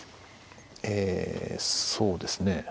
えそうですね